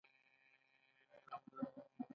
د اوبو د کمښت ستونزه د زراعت پراختیا ته زیان رسوي.